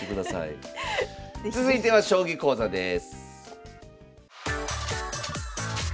続いては将棋講座です。